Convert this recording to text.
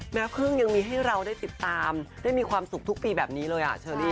แม่เพิ่งยังมีให้เราได้ติดตามได้มีความสุขทุกปีแบบนี้เลย